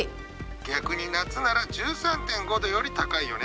逆に夏なら１３．５度より高いよね。